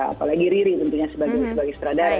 apalagi riri tentunya sebagai sutradara